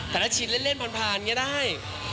แต่ถ้าฉีดเล่นผ่านก็ได้